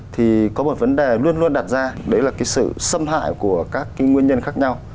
thì có một vấn đề luôn luôn đặt ra đấy là cái sự xâm hại của các cái nguyên nhân khác nhau